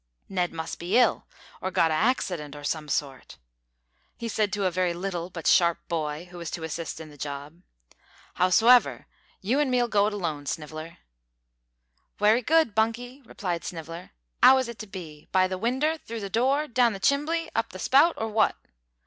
"Ned must be ill, or got a haccident o' some sort," he said to a very little but sharp boy who was to assist in the job. "Howsever, you an' me'll go at it alone, Sniveller." "Wery good, Bunky," replied Sniveller, "'ow is it to be? By the winder, through the door, down the chimbly, up the spout or wot?"